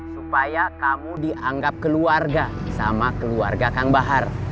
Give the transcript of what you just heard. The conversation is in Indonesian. supaya kamu dianggap keluarga sama keluarga kang bahar